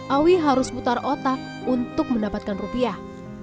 awi harus putar otak untuk mendapatkan rupiah